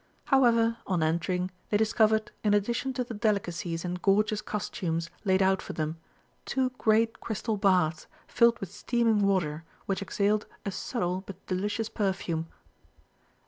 However, on entering, they discovered, in addition to the delicacies and gorgeous costumes laid out for them, two great crystal baths filled with steaming water which exhaled a subtle but delicious perfume.